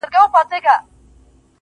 • لكه اوبه چي دېوال ووهي ويده سمه زه.